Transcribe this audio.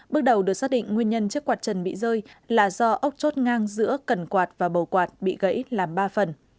bước đầu được xác định nguyên nhân chiếc quạt trần bị rơi là do ốc chốt ngang giữa cần quạt và bầu quạt bị gãy làm ba phần